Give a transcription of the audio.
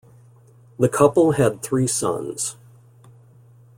The couple had three sons.